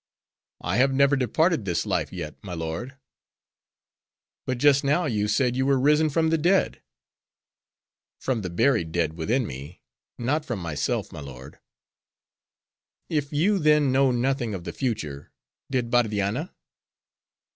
"I have never departed this life yet, my lord." "But just now you said you were risen from the dead." "From the buried dead within me; not from myself, my lord." "If you, then, know nothing of the future—did Bardianna?"